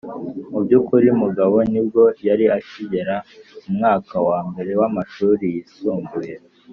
mu by’ukuri mugabo nibwo yari akigera mu mwaka wa mbere w'amashuri yisumbuye